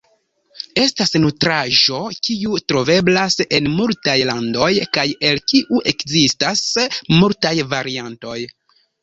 Estas nutraĵo kiu troveblas en multaj landoj, kaj el kiu ekzistas multaj variantoj.